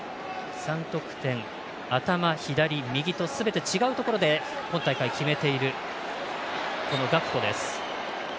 ３得点、頭、左、右とすべて違うところで今大会、決めているガクポです。